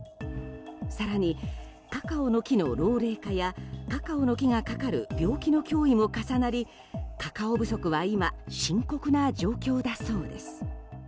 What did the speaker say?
更に、カカオの木の老齢化やカカオの木がかかる病気の脅威も重なりカカオ不足は今深刻な状況だそうです。